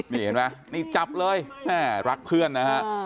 นี่เห็นป่ะจับเลยรักเพื่อนนะฮะ